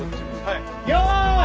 ・よい！